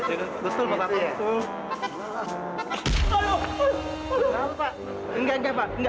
enggak enggak pak